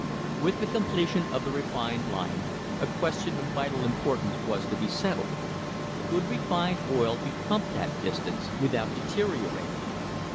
With the completion of the refined line a question of vital importance was to be settled: Could refined oil be pumped that distance without deteriorating?